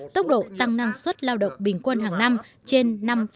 tốc độ tăng năng suất lao động bình quân hàng năm trên năm mươi